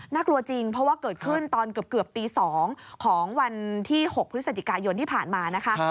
กลัวจริงเพราะว่าเกิดขึ้นตอนเกือบตี๒ของวันที่๖พฤศจิกายนที่ผ่านมานะคะ